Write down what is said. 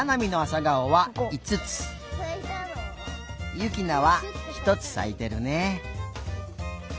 ゆきなはひとつさいてるね。